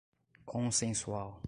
consensual